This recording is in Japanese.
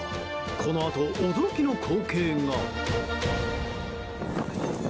このあと驚きの光景が。